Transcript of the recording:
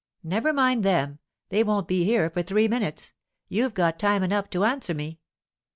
'Never mind them. They won't be here for three minutes. You've got time enough to answer me.